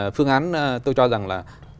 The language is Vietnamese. phương án tôi cho rằng là